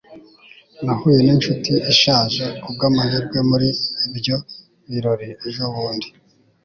nahuye ninshuti ishaje kubwamahirwe muri ibyo birori ejobundi